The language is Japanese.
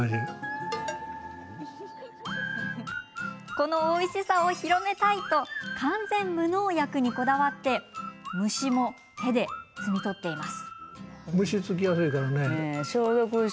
このおいしさを広めたいと完全無農薬にこだわって虫も手で摘み取っています。